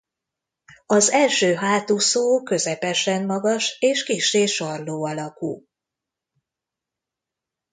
Az első hátúszó közepesen magas és kissé sarló alakú.